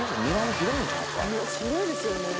広いですよね。